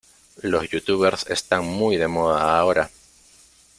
Los youtubers están muy de moda ahora